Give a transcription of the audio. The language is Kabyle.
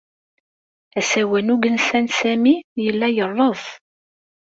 Asawal n ugensa n Sami yella yerreẓ.